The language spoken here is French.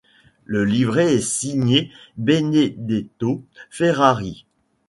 Le livret est signé Benedetto Ferrari.